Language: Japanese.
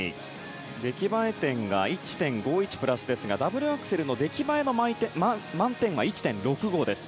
出来栄え点が１．５１プラスですがダブルアクセルの出来栄えの満点は１．６５です。